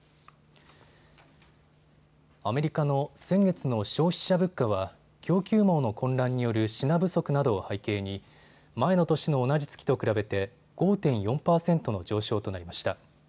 アメリカの先月の消費者物価は供給網の混乱による品不足などを背景に前の年の同じ月と比べて５．４％の上昇となりました。